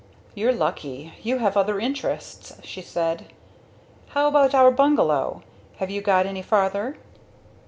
"You're lucky, you have other interests," she said. "How about our bungalow? have you got any farther?"